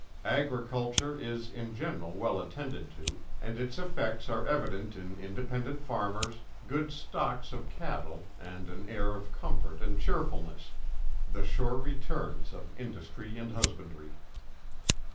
Agriculture is in general well attended to, and its effects are evident in independent farmers, good stocks of cattle and an air of comfort and cheerfulness, the sure returns of industry and husbandry.